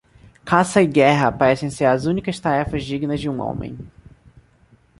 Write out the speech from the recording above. Caça e guerra parecem ser as únicas tarefas dignas de um homem.